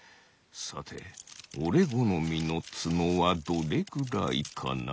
さておれごのみのつのはどれくらいかな？